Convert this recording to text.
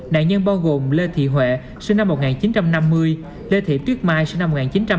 nạn nhân bao gồm lê thị huệ sinh năm một nghìn chín trăm năm mươi lê thị tuyết mai sinh năm một nghìn chín trăm tám mươi